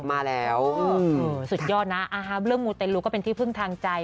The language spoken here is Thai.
มาแล้วสุดยอดนะเรื่องมูเตลูก็เป็นที่พึ่งทางใจ